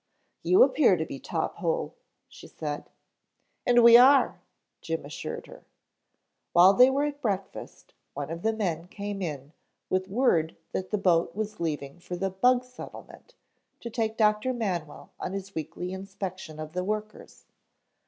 "You appear to be top hole," she said. "And we are," Jim assured her. While they were at breakfast one of the men came in with word that the boat was leaving for the "bug settlement" to take Doctor Manwell on his weekly inspection of the workers.